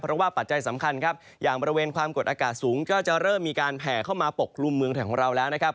เพราะว่าปัจจัยสำคัญครับอย่างบริเวณความกดอากาศสูงก็จะเริ่มมีการแผ่เข้ามาปกครุมเมืองไทยของเราแล้วนะครับ